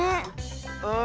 うん。